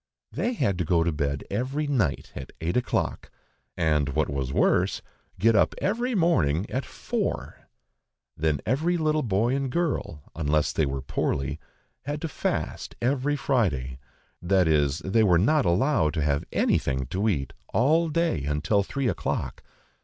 They had to go to bed every night at eight o'clock, and what was worse, get up every morning at four. Then every little boy and girl, unless they were poorly, had to fast every Friday, that is, they were not allowed to have anything to eat all day until three o'clock.